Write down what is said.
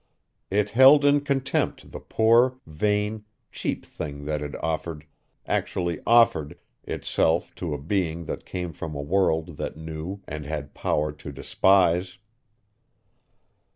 It held in contempt the poor, vain, cheap thing that had offered, actually offered, itself to a being that came from a world that knew and had power to despise.